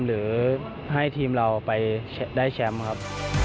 หรือให้ทีมเราไปได้แชมป์ครับ